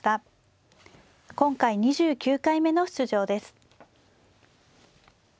今回２９回目の出場です。